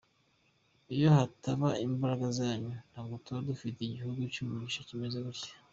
Iyo hataba imbaraga zanyu, ntabwo tuba dufite igihugu cy’umugisha kimeze gutya.”